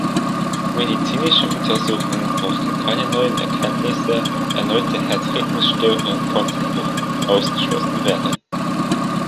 Medizinische Untersuchungen brachten keine neuen Erkenntnisse, erneute Herzrhythmusstörungen konnten jedoch ausgeschlossen werden.